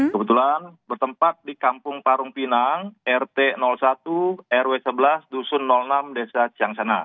kebetulan bertempat di kampung parung pinang rt satu rw sebelas dusun enam desa ciangsana